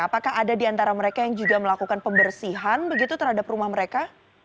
apakah ada di antara mereka yang juga melakukan pembersihan begitu terhadap rumah mereka